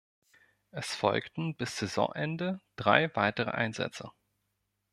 Es folgten bis Saisonende drei weitere Einsätze.